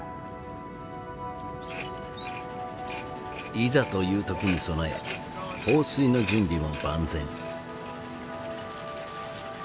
いざという時に備え放水の準備も万全。